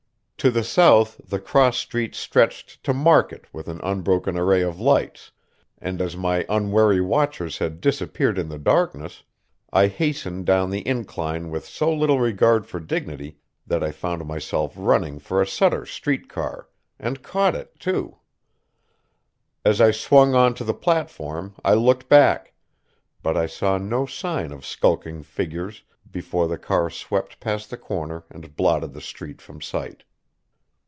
To the south the cross street stretched to Market with an unbroken array of lights, and as my unwary watchers had disappeared in the darkness, I hastened down the incline with so little regard for dignity that I found myself running for a Sutter Street car and caught it, too. As I swung on to the platform I looked back; but I saw no sign of skulking figures before the car swept past the corner and blotted the street from sight.